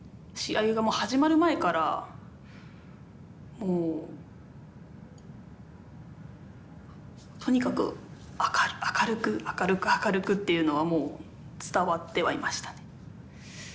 試合がもう始まる前からもうとにかく明るく明るく明るくっていうのはもう伝わってはいましたね。